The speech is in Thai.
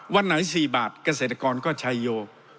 วันไหน๔บาทเกษตรกรก็ชัยโย